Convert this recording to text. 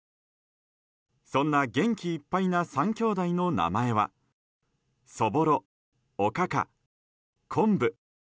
そんな元気いっぱいな３兄弟の名前はそぼろ、おかか、こんぶ。